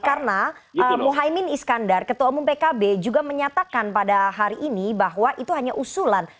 karena muhyamin iskandar ketua umum pkb juga menyatakan pada hari ini bahwa itu hanya usulan